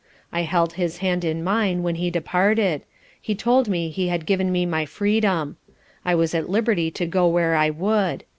I held his hand in mine when he departed; he told me he had given me my freedom. I was at liberty to go where I would.